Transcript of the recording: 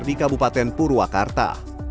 di kecamatan purwakarta